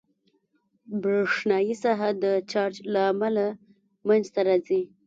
برېښنایي ساحه د چارج له امله منځته راځي.